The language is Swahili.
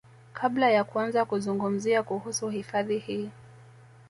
Kabla ya kuanza kuzungumzia kuhusu hifadhi hii